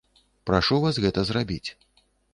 Прашу вас гэта зрабіць.